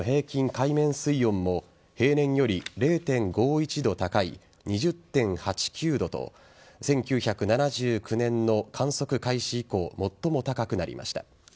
海面水温も平年より０．５１度高い２０．８９度と１９７９年の観測開始以降最も高くなりました。